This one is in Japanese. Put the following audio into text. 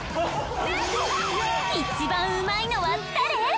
一番うまいのは誰！？